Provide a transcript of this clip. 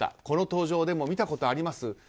この登場、でも見たことあります？